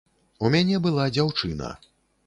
У мяне была дзяўчына.